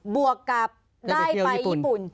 บวกกับได้ไปญี่ปุ่น